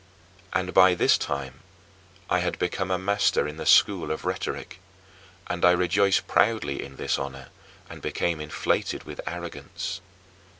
And by this time I had become a master in the School of Rhetoric, and I rejoiced proudly in this honor and became inflated with arrogance.